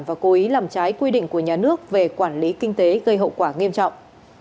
và cố ý làm trái quy định của nhà nước về quản lý kinh tế gây hậu quả nghiêm trọng